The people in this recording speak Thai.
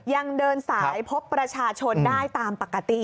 ยังเดินสายพบประชาชนได้ตามปกติ